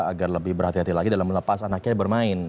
agar lebih berhati hati lagi dalam melepas anaknya bermain